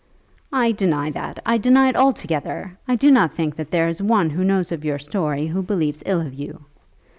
"I deny that. I deny it altogether. I do not think that there is one who knows of your story who believes ill of you."